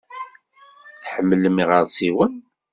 Tḥemmlem iɣersiwen?